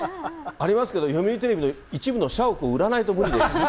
ありますけど、読売テレビの一部の社屋売らないと無理です。